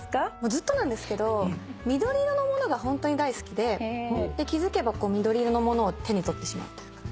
ずっとなんですけど緑色のものがホントに大好きで気付けば緑色のものを手に取ってしまうというか。